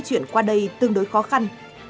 đi chuyển qua đây tương đối khó khăn